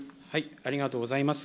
ありがとうございます。